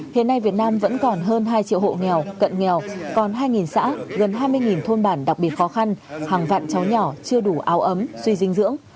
hiện nay việt nam vẫn còn hơn hai triệu hộ nghèo cận nghèo còn hai xã gần hai mươi thôn bản đặc biệt khó khăn hàng vạn cháu nhỏ chưa đủ áo ấm suy dinh dưỡng